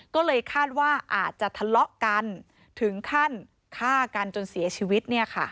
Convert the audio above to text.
ก็เลยคาดว่าอาจจะทะเลาะกันถึงขั้นฆ่ากันจนเสียชีวิต